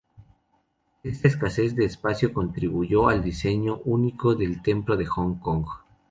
Esta escasez de espacio contribuyó al diseño único del Templo de Hong Kong.